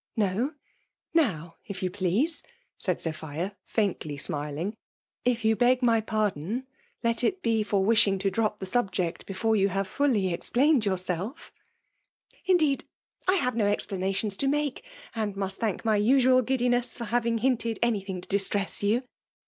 '*'' No, — now ii you. please/' sssd So|diii|» faintly smiling. '' If yeu heg ny paidaa^ let ii he for wishing to drop the sidject before you have fully explained youraslf .'' Indeed, I have no explanations to aahe : and must thank my usual giddiness for haw^ hinted any thing to distress you."